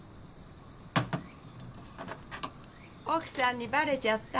奥さんにばれちゃった？